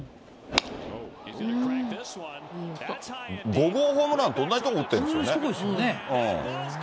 ５号ホームランと同じ所に打ってるんですよね。